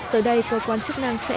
từ đây cơ quan chức năng sẽ